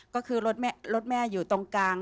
ก็คือรถแม่อยู่ตรงกลาง